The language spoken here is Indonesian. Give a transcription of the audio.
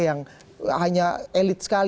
yang hanya berbeda